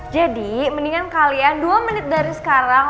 jadi mendingan kalian dua menit dari sekarang